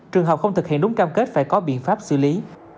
trường hợp không thực hiện đúng cam kết phải có biện pháp xử lý